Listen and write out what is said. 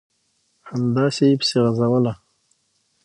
همداسې یې پسې غځوله ...